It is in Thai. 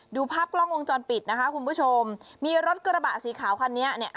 ดูภาพกล้องวงจรปิดนะคะคุณผู้ชมมีรถกระบะสีขาวคันนี้เนี่ย